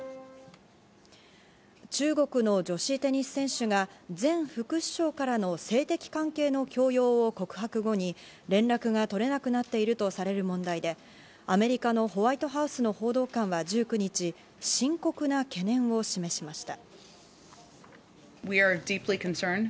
中国の女子テニス選手が前副首相からの性的関係の強要を告白後に連絡が取れなくなっているとされる問題で、アメリカのホワイトハウスの報道官は１９日、深刻な懸念を示しました。